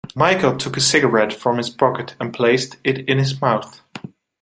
Michael took a cigarette from his pocket and placed it in his mouth.